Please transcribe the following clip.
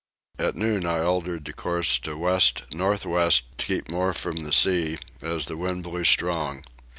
At noon I altered the course to the west north west to keep more from the sea, as the wind blew strong.